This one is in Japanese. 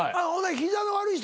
膝の悪い人